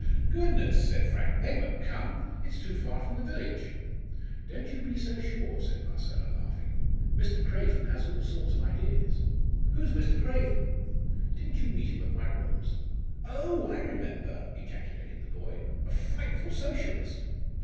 "Goodness!" said Frank, "they won't come. It's too far from the village." "Don't you be so sure," said Marcella, laughing. "Mr. Craven has all sorts of ideas." "Who's Mr. Craven?" "Didn't you meet him at my rooms?" "Oh! I remember," ejaculated the boy "a frightful Socialist!"